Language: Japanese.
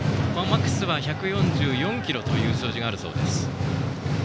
マックスは１４４キロという数字があるそうです。